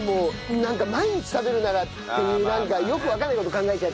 なんか毎日食べるならっていうよくわかんない事考えちゃって。